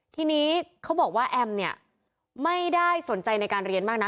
ทีนี้เขาบอกว่าแอมเนี่ยไม่ได้สนใจในการเรียนมากนะ